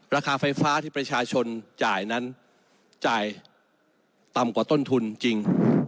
ราคาไฟฟ้าที่ประชาชนจ่ายนั้นจ่ายต่ำกว่าต้นทุนจริง